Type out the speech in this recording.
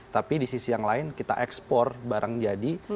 tapi di sisi yang lain kita ekspor barang jadi